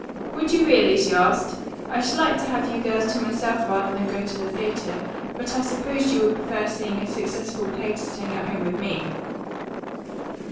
"Would you really?" she asked. "I should like to have you girls to myself rather than go to the theatre, but I supposed you would prefer seeing a successful play to staying at home with me."